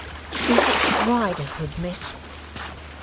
Is it Riderhood, Miss?